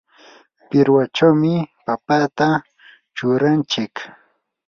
pirwachawmi papata churanchik.